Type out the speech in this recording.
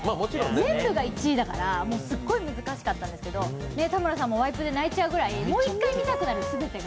全部が１位だから、すっごい難しかったですけれど、田村さんもワイプで泣いちゃうぐらいもう１回見たくなる、全てが。